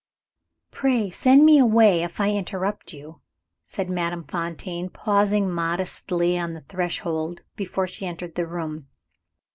"Pray send me away, if I interrupt you," said Madame Fontaine, pausing modestly on the threshold before she entered the room.